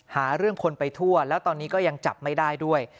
หาเรื่องคนไปทั่วแล้วตอนนี้ก็ยังจับไม่ได้ด้วย